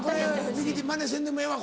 ミキティまねせんでもええわ。